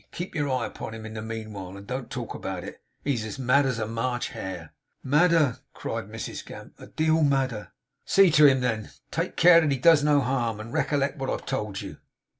Keep your eye upon him in the meanwhile, and don't talk about it. He's as mad as a March hare!' 'Madder!' cried Mrs Gamp. 'A deal madder!' 'See to him, then; take care that he does no harm; and recollect what I have told you.